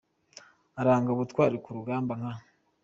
Aranga ubutwari ku rugamba nka :.